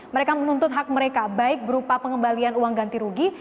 mereka menuntut hak mereka baik berupa pengembalian uang ganti rugi